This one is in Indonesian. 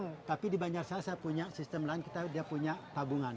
iya tapi di banjar saya punya sistem lain kita punya tabungan